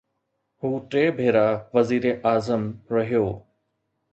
هو ٽي ڀيرا وزيراعظم رهيو.